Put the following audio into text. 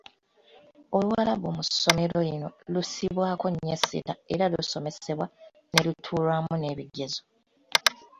Oluwarabu mu ssomero lino lussibwako nnyo essira era lusomesebwa ne lutuulwamu n'ebigezo.